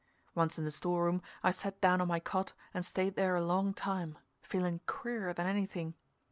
Once in the store room, I sat down on my cot and stayed there a long time, feeling queerer than anything.